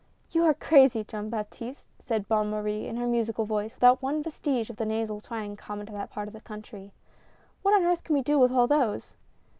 "You are crazy, Jean Baptiste," said Bonne Marie in her musical voice, without one vestige of the nasal twang common to that part of the country. " What on earth can we do with all those